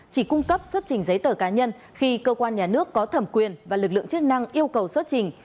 chỉ cung cấp xuất trình giấy tờ cá nhân khi cơ quan nhà nước có thẩm quyền và lực lượng chức năng yêu cầu xuất trình